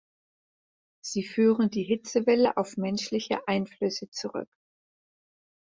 Sie führen die Hitzewelle auf menschliche Einflüsse zurück.